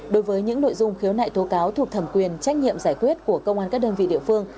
đối với những nội dung khiếu nại tố cáo thuộc thẩm quyền trách nhiệm giải quyết của công an các đơn vị địa phương